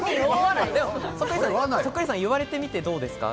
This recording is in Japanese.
そっくりさん、言われてみてどうですか？